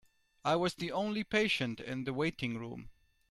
I was the only patient in the waiting room.